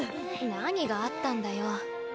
何があったんだよ。